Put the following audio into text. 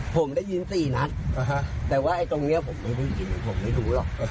ผมได้ยิน๔นัดแต่ว่าไอ้ตรงนี้ผมไม่ได้ยินผมไม่รู้หรอก